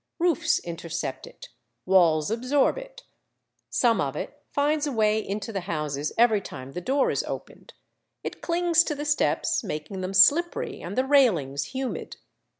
Roofs intercept it, walls absorb it, some of it finds a way into the houses every time the door is opened ; it clings to the steps, making them slippery and the railings humid.